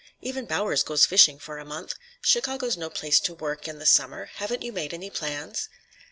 Even Bowers goes fishing for a month. Chicago's no place to work, in the summer. Haven't you made any plans?"